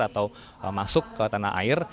atau masuk ke tanah air